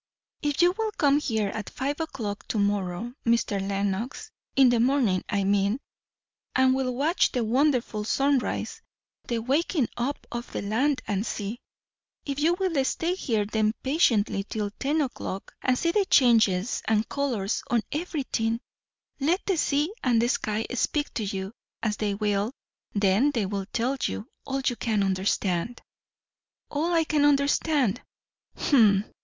"If you will come here at five o'clock to morrow, Mr. Leno xin the morning, I mean, and will watch the wonderful sunrise, the waking up of land and sea; if you will stay here then patiently till ten o'clock, and see the changes and the colours on everything let the sea and the sky speak to you, as they will; then they will tell you all you can understand!" "All I can understand. H'm!